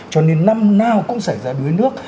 cho nên năm nào cũng xảy ra đuối nước